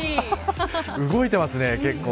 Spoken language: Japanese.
動いてますね、結構。